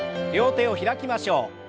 両手を開きましょう。